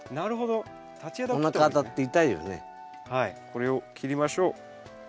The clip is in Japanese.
これを切りましょう。